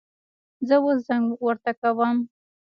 زه اوس زنګ ورته کوم